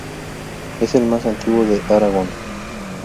Es el más antiguo de Aragón.